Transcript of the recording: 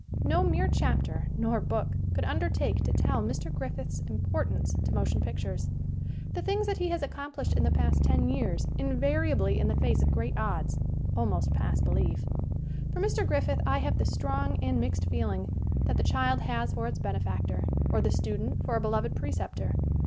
No mere chapter, nor book, could undertake to tell Mr. Griffith's im portance to motion pictures. The things that he has accomplished in the past ten years, in variably in the face of great odds, almost pass belief. For Mr. Griffith I have the strong and mixed feeling that the child has for its benefactor, or the student for a beloved preceptor.